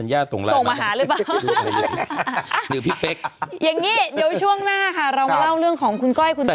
อย่างนี้ช่วงหน้าเรามาเล่าเรื่องของคุณก้อยคุณตูน